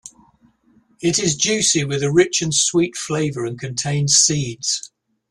It is juicy with a rich and sweet flavour and contains seeds.